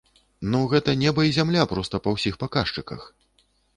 Ну гэта неба і зямля проста па ўсіх паказчыках!